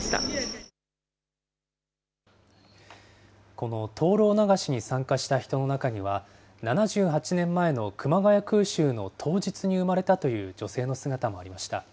この灯籠流しに参加した人の中には、７８年前の熊谷空襲の当日に生まれたという女性の姿もありました。